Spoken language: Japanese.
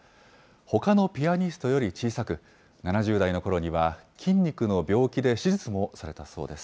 ほかのピアニストより小さく、７０代のころには、筋肉の病気で手術もされたそうです。